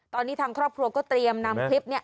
ตอนนี้ทางครอบครัวก็เตรียมนำคลิปเนี่ย